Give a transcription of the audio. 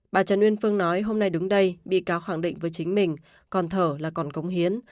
bà trần uyên phương nói hôm nay đứng đây bị cáo khẳng định với chính mình còn thở là còn cống hiến